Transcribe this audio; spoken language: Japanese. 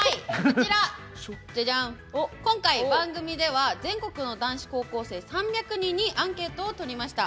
今回、番組では全国の男子高校生３００人にアンケートをとりました。